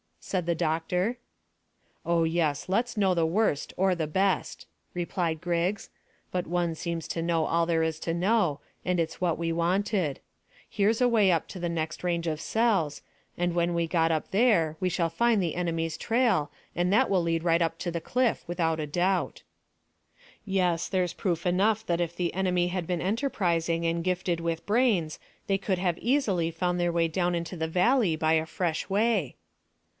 said the doctor. "Oh yes; let's know the worst, or the best," replied Griggs; "but one seems to know all there is to know, and it's what we wanted. Here's the way up to the next range of cells, and when we get up there we shall find the enemy's trail, and that will lead right up to the cliff, without a doubt." "Yes, there's proof enough that if the enemy had been enterprising and gifted with brains they could have easily found their way down into the valley by a fresh way."